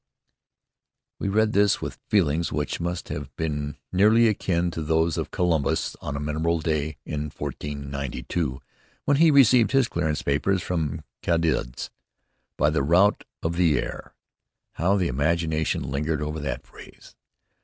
We read this with feelings which must have been nearly akin to those of Columbus on a memorable day in 1492 when he received his clearance papers from Cadiz. "By the route of the air!" How the imagination lingered over that phrase!